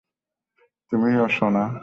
তুমিও, সোনা।